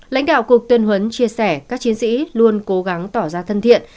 lãnh đạo cục tuyên huấn chia sẻ các chiến sĩ luôn cố gắng tỏ ra thân thiện